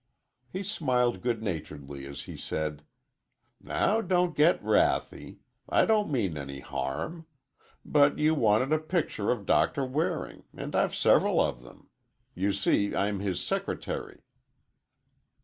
He smiled good naturedly as he said, "Now don't get wrathy. I don't mean any harm. But you wanted a picture of Doctor Waring, and I've several of them. You see, I'm his secretary."